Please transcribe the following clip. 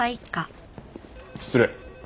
失礼。